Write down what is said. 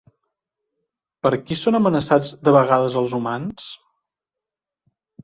Per qui són amenaçats de vegades els humans?